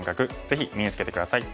ぜひ身につけて下さい。